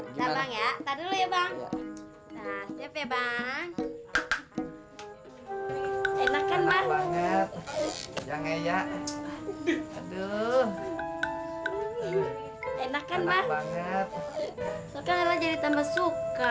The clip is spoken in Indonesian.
enakan banget jangan ngaya aduh enakan banget jadi tambah suka